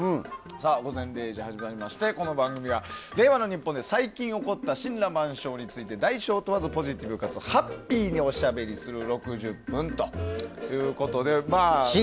「午前０時」始まりましてこの番組は令和の日本で最近起こった森羅万象について大小を問わずポジティブかつハッピーにおしゃべりする６０分ということで。